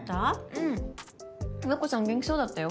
うん洋子さん元気そうだったよ。